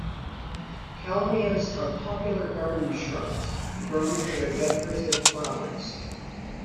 Kalmias are popular garden shrubs, grown for their decorative flowers.